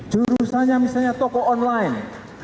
jurusannya misalnya toko online